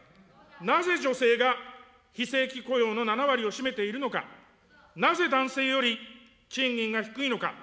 なぜ女性が非正規雇用の７割を占めているのか、なぜ男性より賃金が低いのか。